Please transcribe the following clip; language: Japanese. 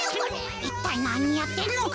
いったいなにやってんのか？